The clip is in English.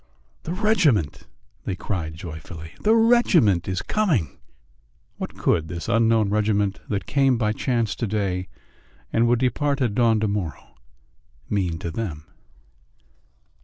"The regiment!" they cried joyfully. "The regiment is coming!" What could this unknown regiment that came by chance to day and would depart at dawn to morrow mean to them?